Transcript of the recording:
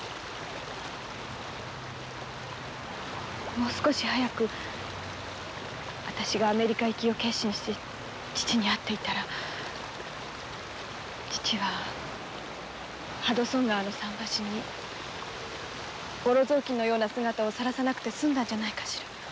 もう少し早く私がアメリカ行きを決心し父に会っていたら父はハドソン川の桟橋にボロ雑巾のような姿をさらさなくて済んだんじゃないかしら。